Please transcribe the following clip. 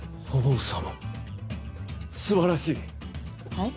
はい？